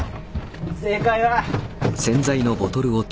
正解は。